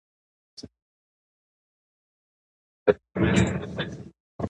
په یوه شپه کې یې ټول فصلونه تباه کړل.